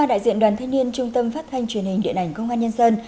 ba đại diện đoàn thanh niên trung tâm phát thanh truyền hình điện ảnh công an nhân dân